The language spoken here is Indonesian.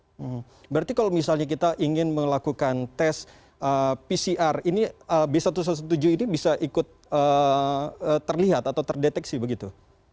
hmm berarti kalau misalnya kita ingin melakukan tes pcr ini b satu ratus tujuh belas ini bisa ikut terlihat atau terdeteksi begitu